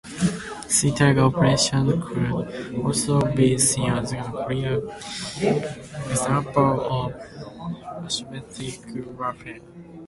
Sea Tiger operations could also be seen as a clear example of asymmetric warfare.